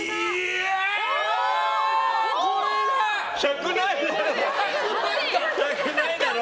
これ１００ないだろ！